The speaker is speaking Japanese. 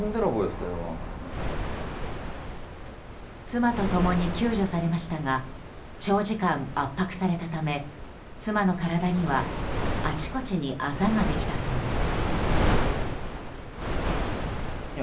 妻と共に救助されましたが長時間、圧迫されたため妻の体には、あちこちにあざができたそうです。